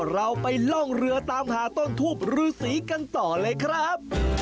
เราไปล่องเรือตามหาต้นทูบรูสีกันต่อเลยครับ